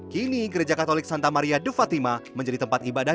kini gereja katolik santa maria de fatima menjadi tempat ibadah